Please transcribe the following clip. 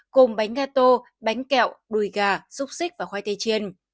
cùng bánh gà tô bánh kẹo đùi gà xúc xích và khoai tây chiên